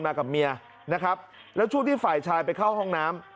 มากับเมียนะครับแล้วช่วงที่ฝ่ายชายไปเข้าห้องน้ำ